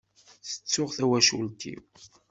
Tttuɣ d tawacult-iw.